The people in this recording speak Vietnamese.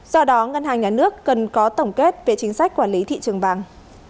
do đó ngân hàng nhà nước cần có tổng kết về chính sách quản lý thị trường vàng